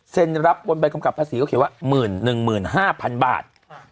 รับบนใบกำกับภาษีเขาเขียนว่า๑๑๕๐๐๐บาท